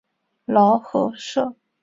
劳合社。